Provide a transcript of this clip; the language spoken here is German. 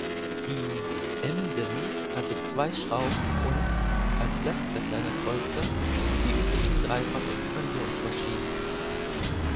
Die "Emden" hatte zwei Schrauben und, als letzter Kleiner Kreuzer, die üblichen Dreifachexpansionsmaschinen.